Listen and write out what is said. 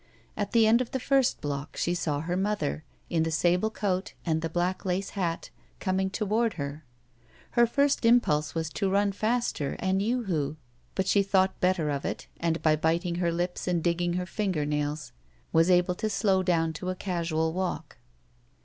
At the end of the first block she saw her mother, in the sable coat and the black lace hat, coming toward her. Her first impulse was to run faster and yoo hoo, but she thought better of it and, by biting her lips and digging her finger nails, was able to slow down to a casual walk.